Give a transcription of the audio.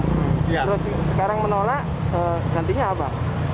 terus sekarang menolak gantinya apa